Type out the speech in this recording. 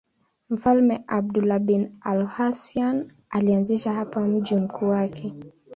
Mfalme Abdullah bin al-Husayn alianzisha hapa mji mkuu wake.